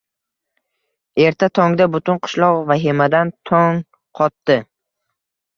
Erta tongda butun qishloq vahimadan tong qotdi.